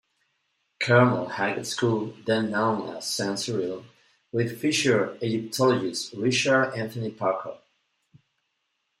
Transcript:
Carmel High School, then known as Saint Cyril, with future Egyptologist Richard Anthony Parker.